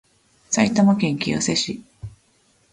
埼玉県清瀬市